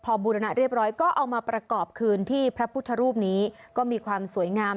พอบูรณะเรียบร้อยก็เอามาประกอบคืนที่พระพุทธรูปนี้ก็มีความสวยงาม